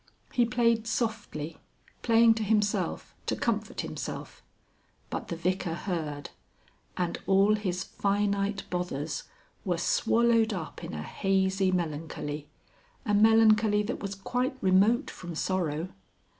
He played softly, playing to himself to comfort himself, but the Vicar heard, and all his finite bothers were swallowed up in a hazy melancholy, a melancholy that was quite remote from sorrow.